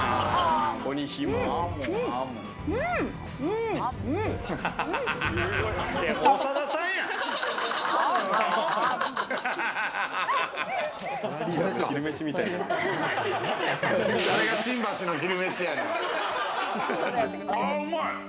うまい！